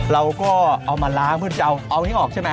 เราก็เอามาล้างเพื่อจะเอานี้ออกใช่ไหม